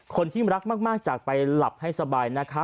คนที่รักมากจากไปหลับให้สบายนะคะ